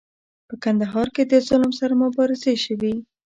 په کندهار کې د ظلم سره مبارزې شوي.